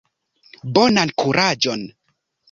Bonan kuraĝon!